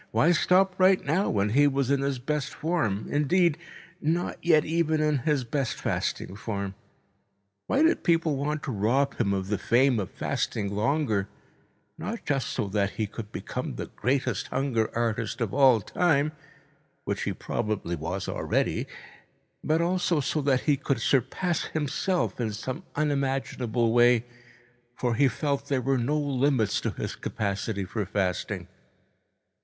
Why stop right now, when he was in his best form, indeed, not yet even in his best fasting form? Why did people want to rob him of the fame of fasting longer, not just so that he could become the greatest hunger artist of all time, which he probably was already, but also so that he could surpass himself in some unimaginable way, for he felt there were no limits to his capacity for fasting.